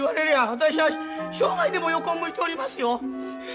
私は生涯でも横を向いておりますよ。